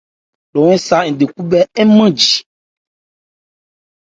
Lo ésa nthékhunmɛ́n nmánji.